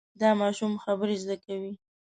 دا ماشوم خبرې زده کوي.